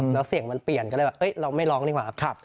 แล้วเสียงมันเปลี่ยนก็เลยแบบเราไม่ร้องดีกว่า